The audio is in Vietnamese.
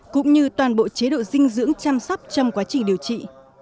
cũng như toàn bộ chế độ dinh dưỡng chăm sóc trong quá trình điều trị